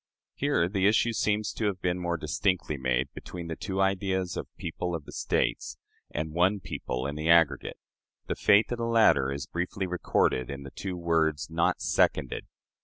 " Here the issue seems to have been more distinctly made between the two ideas of people of the States and one people in the aggregate. The fate of the latter is briefly recorded in the two words, "not seconded."